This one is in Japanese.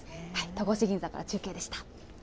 戸越銀座から中継でした。